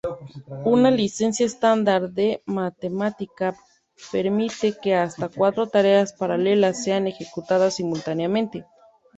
Una licencia estándar de Mathematica permite que hasta cuatro tareas paralelas sean ejecutadas simultáneamente.